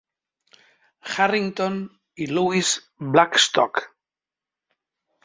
Harrington i Louis Blackstock.